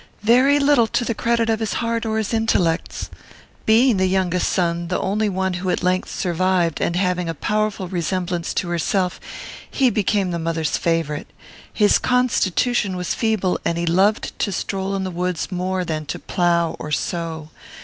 "Very little to the credit of his heart or his intellects. Being the youngest son, the only one who at length survived, and having a powerful resemblance to herself, he became the mother's favourite. His constitution was feeble, and he loved to stroll in the woods more than to plough or sow.